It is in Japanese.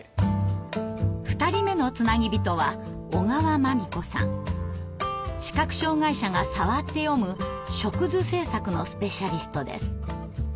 ２人目のつなぎびとは視覚障害者が触って読む触図製作のスペシャリストです。